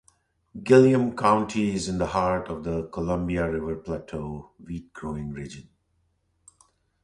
Gilliam County is in the heart of the Columbia River Plateau wheat-growing region.